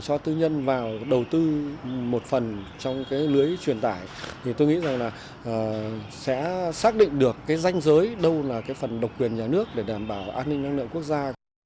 cho tư nhân vào đầu tư một phần trong cái lưới truyền tải thì tôi nghĩ rằng là sẽ xác định được cái danh giới đâu là cái phần độc quyền nhà nước để đảm bảo an ninh năng lượng quốc gia